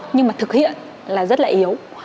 nhưng mà thực hiện là rất là yếu